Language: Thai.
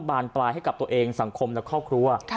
บานปลายให้กับตัวเองสังคมและครอบครัว